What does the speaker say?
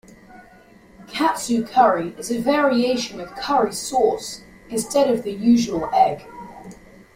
Katsu curry is a variation with curry sauce instead of the usual egg.